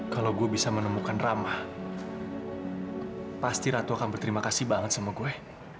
kalau gue bisa menemukan ramah pasti ratu akan berterima kasih banget sama gue